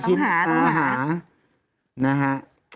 น้องปางหาตรงนี้นะฮะ